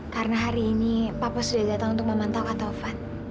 karena hari ini papa sudah datang untuk memantau kata tovan